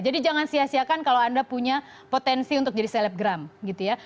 jadi jangan sia siakan kalau anda punya potensi untuk jadi selebgram gitu ya